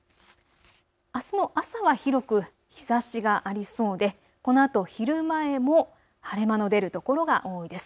あすの朝は広く日ざしがありそうでこのあと昼前も晴れ間の出る所が多いです。